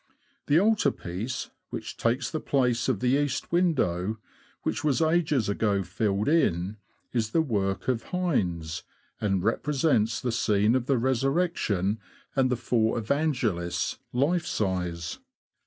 The altar piece, which takes the place of the east window, which was ages ago filled in, is the work of Heins, and represents the scene of the Resurrection, and the four Evangelists, life size.